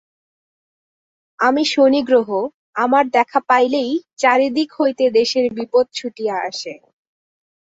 আমি শনিগ্রহ, আমার দেখা পাইলেই চারিদিক হইতে দেশের বিপদ ছুটিয়া আসে।